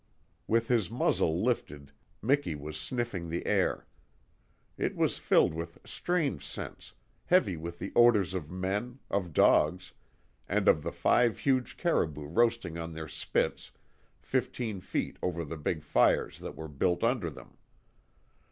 With his muzzle lifted, Miki was sniffing the air. It was filled with strange scents, heavy with the odours of men, of dogs, and of the five huge caribou roasting on their spits fifteen feet over the big fires that were built under them.